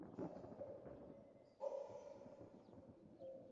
তিনিও দিল্লির আমলাদের অসহযোগিতার অভিযোগ তুলেছেন।